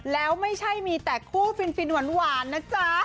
แล้วไม่ใช่มีแต่คู่ฟินหวานนะจ๊ะ